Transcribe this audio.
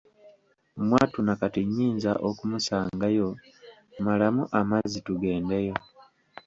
Mwattu na kati nnyinza okumusanga yo, malamu amazzi tugendeyo."